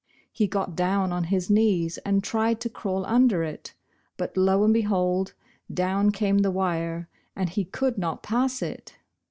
He got down on his knees and tried to crawl under it, but lo and behold, down came the wire, and he could not pass it!